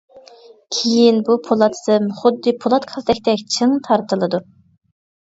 كېيىن بۇ پولات سىم خۇددى پولات كالتەكتەك چىڭ تارتىلىدۇ.